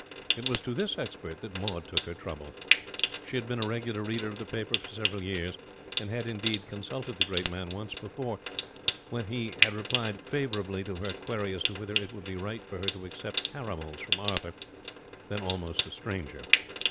It was to this expert that Maud took her trouble. She had been a regular reader of the paper for several years; and had, indeed, consulted the great man once before, when he had replied favourably to her query as to whether it would be right for her to accept caramels from Arthur, then almost a stranger.